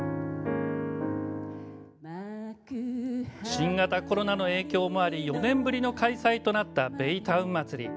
新型コロナの影響もあり４年ぶりの開催となったベイタウンまつり。